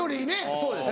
そうです